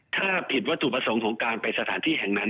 ถ้าผิดวัตถุประสงค์ของการไปสถานที่แห่งนั้น